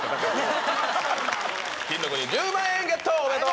金の国１０万円ゲットおめでとう！